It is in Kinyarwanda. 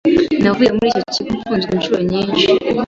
navuye muri icyo kigo mfunzwe incuro nyinshi.